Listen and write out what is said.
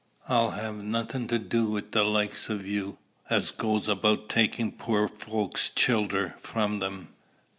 I'll ha' nothing to do wi' the likes o' you as goes about takin' poor folks's childer from 'em.